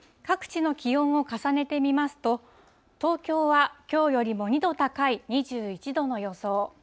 各地の気温を重ねてみますと、東京はきょうよりも２度高い２１度の予想。